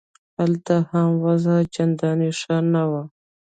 هلته هم وضع چندانې ښه نه وه.